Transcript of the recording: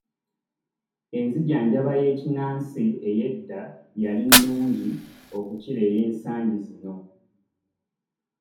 Enzijanjaba y'ekinnansi ey'edda yali nnungi okukira ey'ensangi zino.